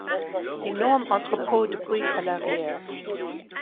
Énormes entrepôts de briques à l'arrière.